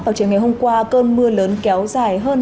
vào chiều ngày hôm qua cơn mưa lớn kéo dài hơn